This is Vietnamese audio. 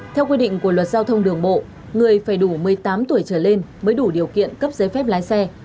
theo quy định của luật giao thông đường bộ người phải đủ một mươi tám tuổi trở lên mới đủ điều kiện cấp giấy phép lái xe